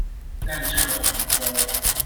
但這個鴻溝